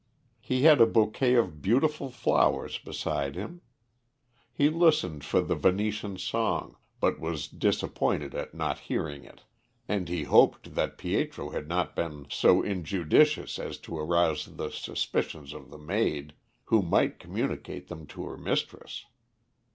He had a bouquet of beautiful flowers beside him. He listened for the Venetian song, but was disappointed at not hearing it; and he hoped that Pietro had not been so injudicious as to arouse the suspicions of the maid, who might communicate them to her mistress.